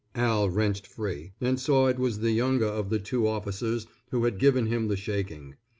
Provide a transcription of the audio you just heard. Al wrenched free, and saw it was the younger of the two officers who had given him the shaking.